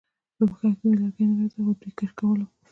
په پښه کې مې لرګی ننوتی و خو دوی کش کولم